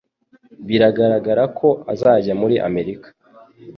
Biragaragara ko azajya muri Amerika